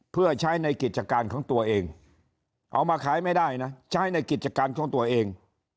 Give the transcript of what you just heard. เพื่อใช้ในกิจการของตัวเองเอามาขายไม่ได้นะใช้ในกิจการของตัวเอง